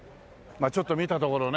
ちょっと見たところね